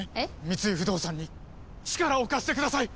三井不動産に力を貸してください！